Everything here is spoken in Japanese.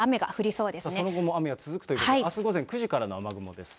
その後も雨が続くということで、あす午前９時からの雨雲です。